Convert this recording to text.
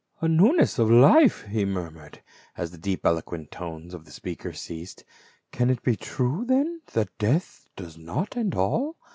"A newness of life !" he murmured, as the deep elo quent tones of the speaker ceased. " Can it be true then, that death does not end all?"